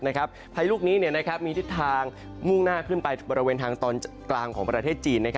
พายุลูกนี้มีทิศทางมุ่งหน้าขึ้นไปบริเวณทางตอนกลางของประเทศจีน